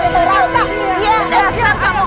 ya rasak dia dasar kamu